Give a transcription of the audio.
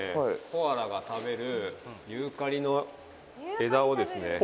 コアラが食べるユーカリの枝をですね